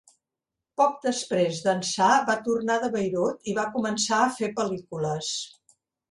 Poc després d'ençà va tornar de Beirut i va començar a fer pel·lícules.